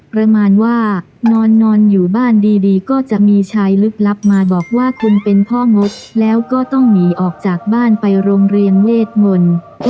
ประมาณว่านอนอยู่บ้านดีก็จะมีชายลึกลับมาบอกว่าคุณเป็นพ่องดแล้วก็ต้องหนีออกจากบ้านไปโรงเรียนเวทมนต์